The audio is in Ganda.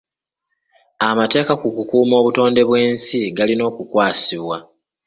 Amateeka ku kukuuma obutonde bw'ensi galina okukwasibwa.